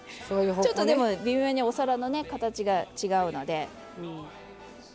ちょっとでも微妙にお皿の形が違うので。